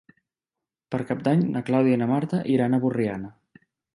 Per Cap d'Any na Clàudia i na Marta iran a Borriana.